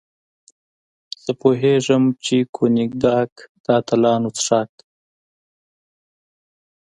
زه پوهېږم چې کونیګاک د اتلانو څښاک دی.